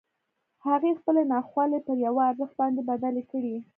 هغه خپلې ناخوالې پر یوه ارزښت باندې بدلې کړې